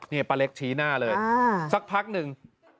นี่ป้าเล็กชี้หน้าเลยสักพักหนึ่ง